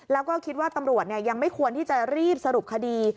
แล้วก็คิดว่าตำรวจยังไม่ควรที่จะรีบสรุปคดี